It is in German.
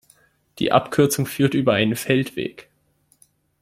Die Abkürzung führt über einen Feldweg.